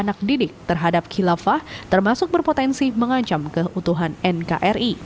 anak didik terhadap khilafah termasuk berpotensi mengancam keutuhan nkri